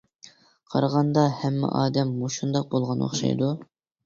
قارىغاندا ھەممە ئادەم مۇشۇنداق بولغان ئوخشايدۇ.